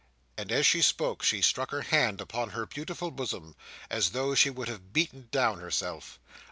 And as she spoke, she struck her hand upon her beautiful bosom, as though she would have beaten down herself.